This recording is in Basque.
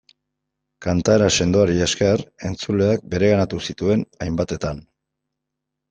Kantaera sendoari esker, entzuleak bereganatu zituen hainbatetan.